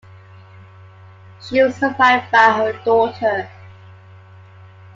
She was survived by her daughter.